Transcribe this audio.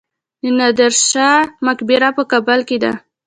د نادر شاه مقبره په کابل کې ده